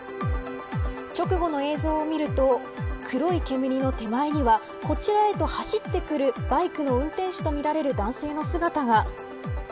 直後の映像を見ると黒い煙の手前にはこちらへと走ってくるバイクの運転手とみられる男性の姿が。